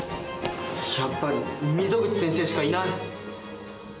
やっぱり溝口先生しかいない！